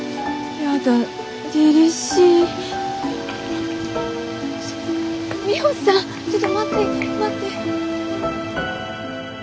ちょっと待って待って。